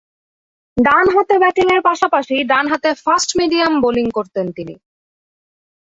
ডানহাতে ব্যাটিংয়ের পাশাপাশি ডানহাতে ফাস্ট-মিডিয়াম বোলিং করতেন তিনি।